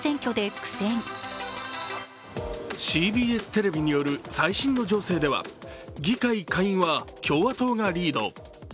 ＣＢＳテレビによると最新の情勢では議会下院は共和党がリード。